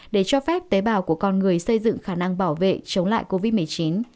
để cho phép tế bào của con người xây dựng khả năng bảo vệ chống lại covid một mươi chín